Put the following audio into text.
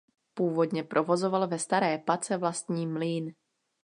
Původně provozoval ve Staré Pace vlastní mlýn.